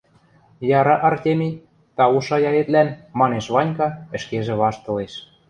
— Яра, Артемий, тау шаяэтлӓн, — манеш Ванька, ӹшкежӹ ваштылеш.